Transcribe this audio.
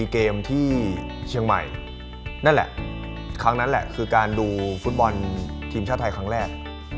เกมที่เชียงใหม่นั่นแหละครั้งนั้นแหละคือการดูฟุตบอลทีมชาติไทยครั้งแรก